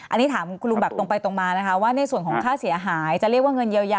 อันนี้ถามคุณลุงแบบตรงไปตรงมานะคะว่าในส่วนของค่าเสียหายจะเรียกว่าเงินเยียวยา